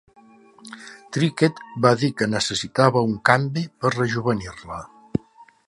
Trickett va dir que necessitava un canvi per rejovenir-la.